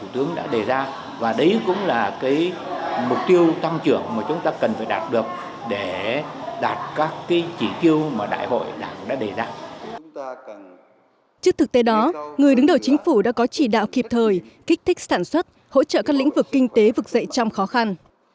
trước thực tế đó người đứng đầu chính phủ đã có chỉ đạo kịp thời kích thích sản xuất hỗ trợ các lĩnh vực kinh tế vực dậy trong khó khăn